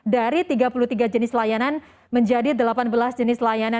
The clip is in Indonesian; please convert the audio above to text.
dari tiga puluh tiga jenis layanan menjadi delapan belas jenis layanan